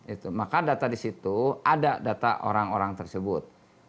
itu maka data disitu ada data orang orang tersebut